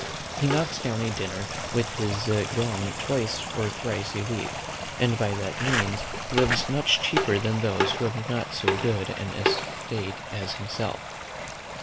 He knocks down a dinner with his gun twice or thrice a week; and by that means lives much cheaper than those who have not so good an estate as himself.